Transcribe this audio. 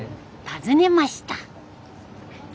訪ねました。